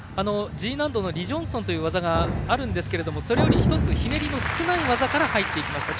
Ｇ難度のリ・ジョンソンという技があるんですがそれより１つひねりの少ない技から入りました。